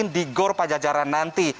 di gor pajajaran nanti